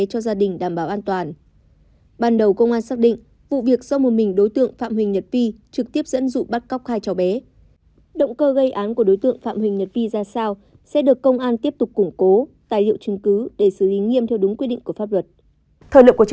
thời lượng của chương trình đến đây là kết thúc